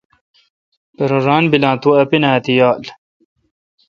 پرہ ران بیل تو اپن اں تی یال۔